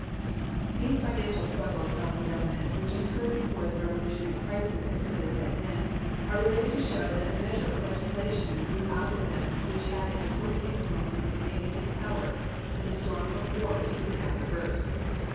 1 These financial struggles of the Government, which occurred before the revolutionary crisis had fairly set in, are related to show that a measure of legislation grew out of them which had an impor tant influence in sustaining its power when the storm of war soon after burst.